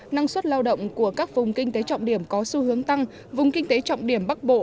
năng suất lao động của các vùng kinh tế trọng điểm có xu hướng tăng vùng kinh tế trọng điểm bắc bộ